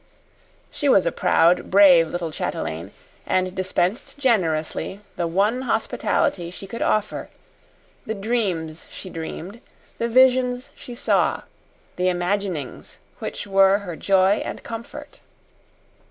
She was a proud, brave little chatelaine, and dispensed generously the one hospitality she could offer the dreams she dreamed the visions she saw the imaginings which were her joy and comfort.